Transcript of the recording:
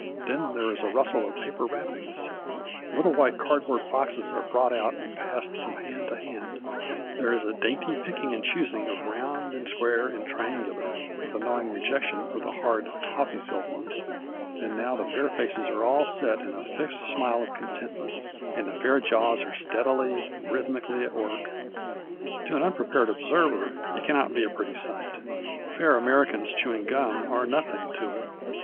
Then there is a rustic of paper wrappings, little white cardboard boxes are brought out and passed from hand to hand, there is a dainty picking and choosing of romid and square and triangular, with a knowing rejection of the hard toffee filled ones, and now the fair faces are all set in a fixed smile of contentment and the fair jaws are steadily, rhythmically at work. To an un prepared observer it cannot be a pretty sight. Fair Americans chewing gum are nothing to it.